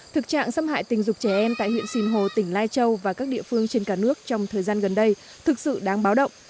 thực trạng xâm hại tình dục trẻ em tại huyện sìn hồ tỉnh lai châu và các địa phương trên cả nước trong thời gian gần đây thực sự đáng báo động